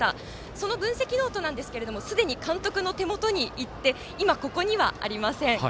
その分析ノートは監督の手元にいって今、ここにはありません。